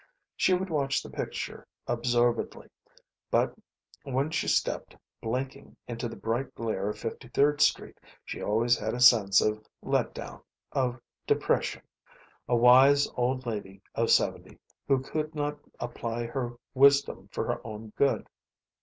She would watch the picture absorbedly, but when she stepped, blinking, into the bright glare of Fifty third Street, she always had a sense of let down, of depression. A wise old lady of seventy, who could not apply her wisdom for her own good.